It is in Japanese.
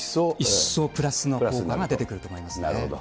一層プラスの効果が出てくるなるほど。